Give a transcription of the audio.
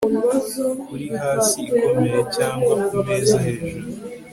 kuri hasi ikomeye, cyangwa kumeza-hejuru